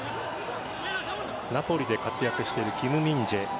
ナポリで活躍しているキム・ミンジェ。